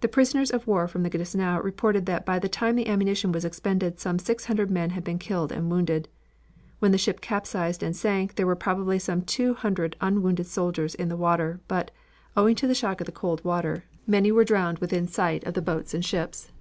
"The prisoners of war from the Gneisenau report that by the time the ammunition was expended some six hundred men had been killed and wounded. When the ship capsized and sank there were probably some two hundred unwounded survivors in the water, but, owing to the shock of the cold water, many were drowned within sight of the boats and ships.